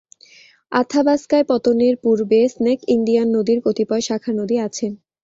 আথাবাস্কায় পতনের পূর্বে snake Indian নদীর কতিপয় শাখা নদী আছে।